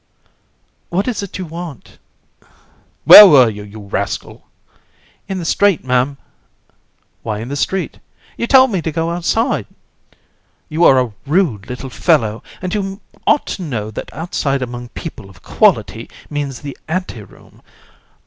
CRI. What is it you want? COUN. Where were you, you rascal? CRI. In the street, Ma'am. COUN. Why in the street? CRI. You told me to go outside. COUN. You are a rude little fellow, and you ought to know that outside among people of quality, means the ante room.